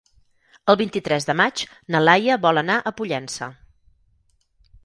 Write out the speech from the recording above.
El vint-i-tres de maig na Laia vol anar a Pollença.